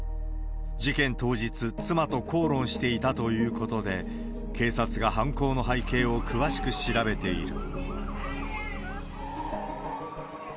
事件当日、妻と口論していたということで、警察が犯行の背景を詳しく調べている。